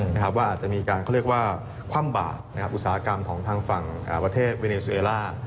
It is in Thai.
ว่าอาจจะมีการคว่ามบาดอุตสาหกรรมของทางฝั่งประเทศเวเนซิเวลา